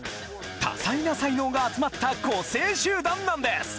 多彩な才能が集まった個性集団なんです。